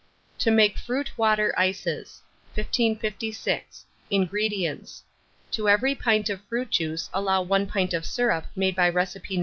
TO MAKE FRUIT WATER ICES. 1556. INGREDIENTS. To every pint of fruit juice allow 1 pint of syrup made by recipe No.